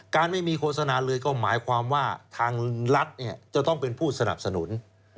ไม่มีโฆษณาเลยก็หมายความว่าทางรัฐจะต้องเป็นผู้สนับสนุน